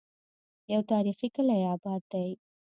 يو تاريخي کلے اباد دی